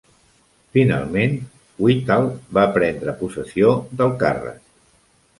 Finalment, Whittall va prendre possessió del càrrec.